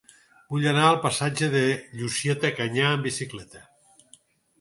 Vull anar al passatge de Llucieta Canyà amb bicicleta.